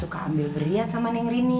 suka ambil berian sama neng rini